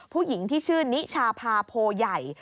ผู้หญิงที่ชื่อนิชาพาโพใหญ่